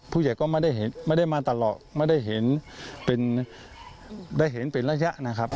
ผู้ใหญ่ก็ไม่ได้มาตลอดไม่ได้เห็นเป็นระยะนะครับ